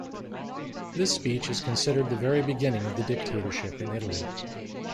This speech is considered the very beginning of the dictatorship in Italy.